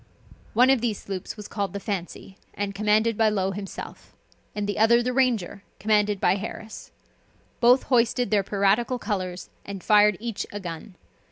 One of these sloops was called the Fancy, and commanded by Low himself, and the other the Ranger, commanded by Harris; both hoisted their piratical colors, and fired each a gun.